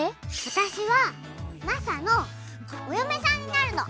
私はマサのお嫁さんになるの！